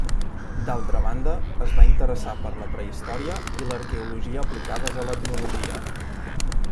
D'altra banda, es va interessar per la prehistòria i l'arqueologia aplicades a l'etnologia.